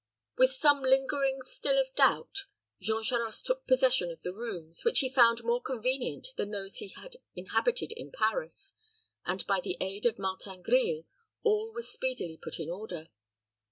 With some lingering still of doubt, Jean Charost took possession of the rooms, which he found more convenient than those he had inhabited in Paris, and, by the aid of Martin Grille, all was speedily put in order.